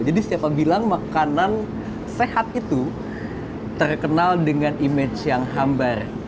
jadi siapa bilang makanan sehat itu terkenal dengan image yang hambar